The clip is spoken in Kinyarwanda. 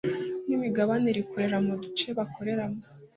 n imigabane rikorera mu duce bakoreramo